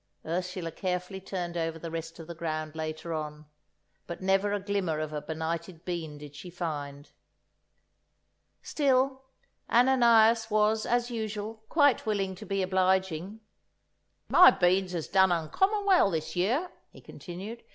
Ursula carefully turned over the rest of the ground later on, but never a glimmer of a benighted bean did she find. Still, Ananias was, as usual, quite willing to be obliging. "My beans has done uncommon well this year," he continued.